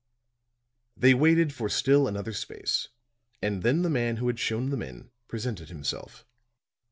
They waited for still another space, and then the man who had shown them in presented himself.